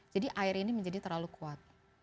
jadi air ini menjadi terlalu kuat